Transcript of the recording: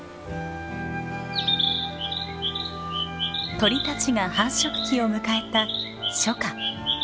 鳥たちが繁殖期を迎えた初夏。